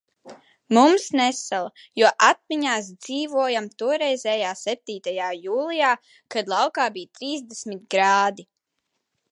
Mums nesala, jo atmiņās dzīvojam toreizējā septītajā jūlijā, kad laukā bija trīsdesmit grādi.